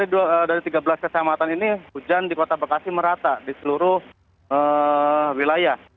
dari tiga belas kecamatan ini hujan di kota bekasi merata di seluruh wilayah